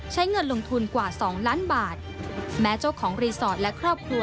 เงินลงทุนกว่าสองล้านบาทแม้เจ้าของรีสอร์ทและครอบครัว